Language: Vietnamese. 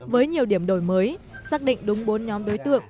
với nhiều điểm đổi mới xác định đúng bốn nhóm đối tượng